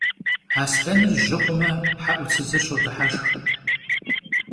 Aslhenır jı xhume he'utsıdzır şodıheşşx.